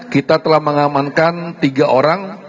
kita telah mengamankan tiga orang